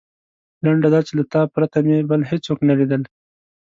لنډه دا چې له تا پرته مې بل هېڅوک نه لیدل.